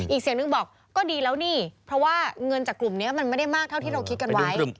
อีกเสียงนึงบอกก็ดีแล้วนี่เพราะว่าเงินจากกลุ่มนี้มันไม่ได้มากเท่าที่เราคิดกันไว้